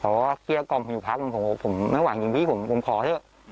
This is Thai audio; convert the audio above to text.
เพราะว่าเกลี้ยกอมพรีเทาะนี่นี่ผมขอเถอะมรึง